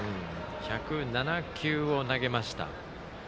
１０７球を投げました。